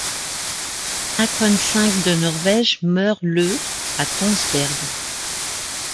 Håkon V de Norvège meurt le à Tonsberg.